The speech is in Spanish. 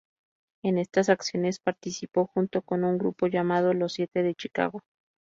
En estas acciones participó junto con un grupo llamado los Siete de Chicago.